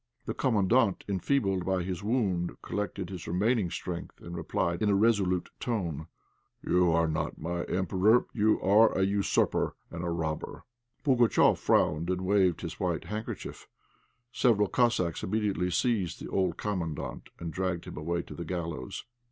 The Commandant, enfeebled by his wound, collected his remaining strength, and replied, in a resolute tone "You are not my Emperor; you are a usurper and a robber!" Pugatchéf frowned and waved his white handkerchief. Several Cossacks immediately seized the old Commandant and dragged him away to the gallows.